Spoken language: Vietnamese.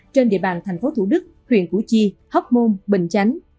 trên địa bàn thành phố thủ đức huyện củ chi hóc môn bình chánh